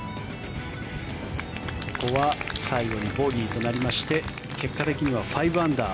ここは最後にボギーとなりまして結果的には５アンダー。